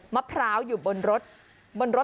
มะพร้าวอยู่บนรถ